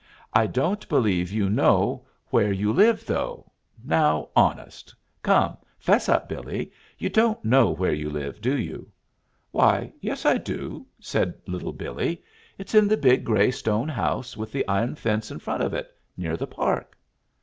I don't believe you know where you live, though now, honest! Come! 'Fess up, Billee, you don't know where you live, do you?" "Why, yes, I do," said Little Billee. "It's in the big gray stone house with the iron fence in front of it, near the park."